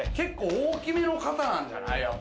大きめの方なんじゃない？